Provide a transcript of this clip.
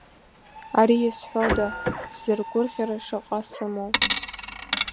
Ара изҳәода сзыргәырӷьара шаҟа сымоу.